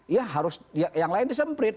ya harus yang lain disemprit